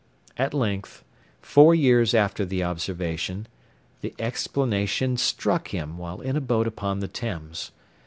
At length, four years after the observation, the explanation struck him, while in a boat upon the Thames.